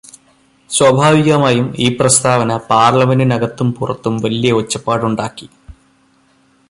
സ്വാഭാവികമായും ഈ പ്രസ്താവന പാർലമെന്റിനകത്തും പുറത്തും വലിയ ഒച്ചപ്പാടുണ്ടാക്കി.